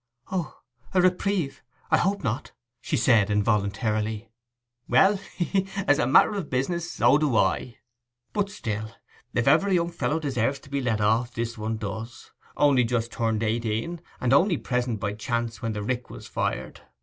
'O—a reprieve—I hope not!' she said involuntarily, 'Well,—hee, hee!—as a matter of business, so do I! But still, if ever a young fellow deserved to be let off, this one does; only just turned eighteen, and only present by chance when the rick was fired.